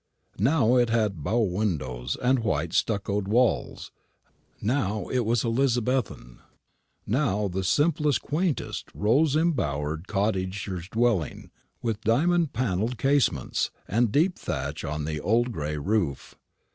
Now it had bow windows and white stuccoed walls now it was Elizabethan now the simplest, quaintest, rose embowered cottager's dwelling, with diamond paned casements, and deep thatch on the old gray roof.